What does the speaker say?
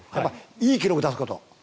いい記録を出すこと。